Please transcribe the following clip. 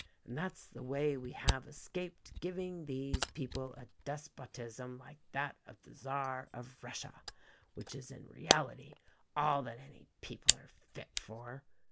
And that's the way we have escaped giving these people a despotism like that of the Czar of Russia, which is in reality all that any people are fit for.